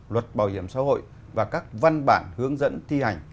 luật bảo hiểm xã hội và các văn bản hướng dẫn thi hành